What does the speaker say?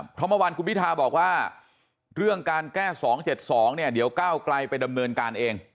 เพราะเมื่อวานคุณพิทาบอกว่าเรื่องการแก้๒๗๒เนี่ยเดี๋ยวก้าวไกลไปดำเนินการเอง